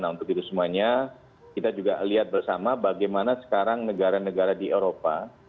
nah untuk itu semuanya kita juga lihat bersama bagaimana sekarang negara negara di eropa